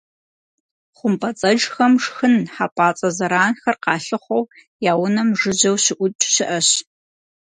ХъумпӀэцӀэджхэм шхын - хьэпӀацӀэ зэранхэр - къалъыхъуэу я «унэм» жыжьэу щыӀукӀ щыӀэщ.